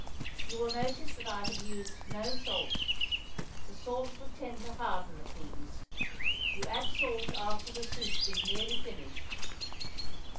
You will notice that I have used no salt; the salt would tend to harden the peas. You add salt after the soup is nearly finished.